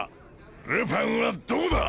ルパンはどこだ！